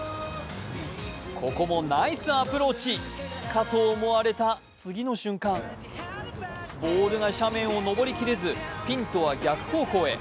ここもナイスアプローチかと思われた次の瞬間、ボールが斜面を登り切れずピンとは逆方向歩。